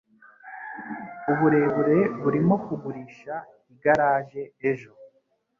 Uburebure burimo kugurisha igaraje ejo.